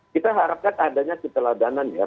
kita harapkan adanya keteladanan ya